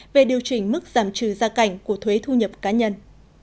về điều chỉnh mức giảm trừ gia cảnh của thuế thu nhập cá nhân